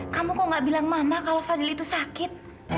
kamu kok gak bilang mama kalau fadil itu sakit